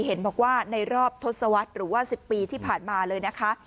เห็นบอกว่าในรอบทศวรรษหรือว่า๑๐ปีที่ผ่านมาเลยนะคะ